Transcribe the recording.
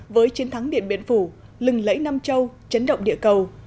với chiến thắng điện biên phủ lừng lẫy nam châu chấn động địa cầu